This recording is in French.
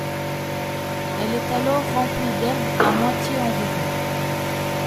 Elle est alors remplie d'herbe à moitié environ.